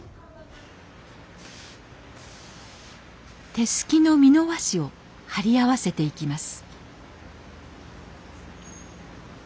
手すきの美濃和紙を貼り合わせていきます